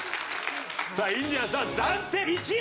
さあインディアンスは暫定１位でございます！